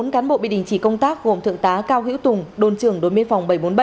bốn cán bộ bị đình chỉ công tác gồm thượng tá cao hiễu tùng đồn trưởng đồn biên phòng bảy trăm bốn mươi bảy